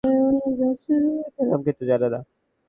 অবশেষে আজ সেই প্রেম দেখতে পেলাম কিন্তু সেটা আমার জন্য না।